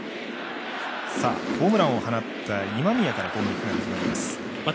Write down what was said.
ホームランを放った今宮から攻撃が始まります。